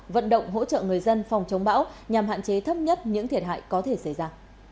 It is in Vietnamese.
vận động hỗ trợ người dân phòng chống bão nhằm hạn chế thấp nhất những thiệt hại có thể xảy ra